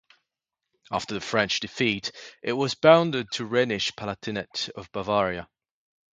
After the French defeat, it was bounded to Rhenish Palatinate of Bavaria.